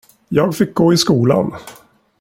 Jag fick gå i skolan.